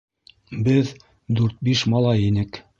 Беҙ дүрт-биш малай инек.